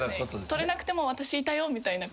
取れなくても私いたよみたいな。